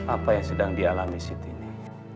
apa yang sedang dialami siti ini